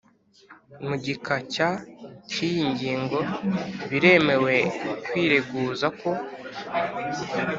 mu gika cya cy iyi ngingo biremewe kwireguzako